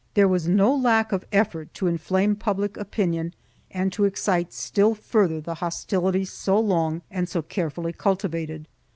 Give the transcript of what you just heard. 2 There was no lack of effort to inflame public opinion and to excite still further the hostility so long and so carefully cultivated.